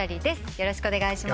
よろしくお願いします。